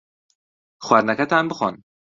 خواردنەکەتان بخۆن.